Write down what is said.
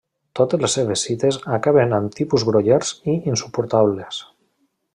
Totes les seves cites acaben amb tipus grollers i insuportables.